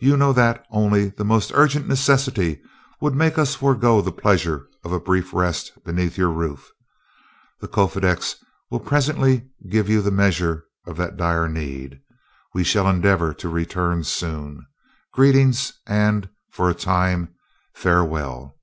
You know that only the most urgent necessity would make us forego the pleasure of a brief rest beneath your roof the Kofedix will presently give you the measure of that dire need. We shall endeavor to return soon. Greetings, and, for a time, farewell."